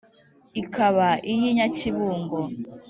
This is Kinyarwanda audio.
ikaba iy’ i nyakibungo,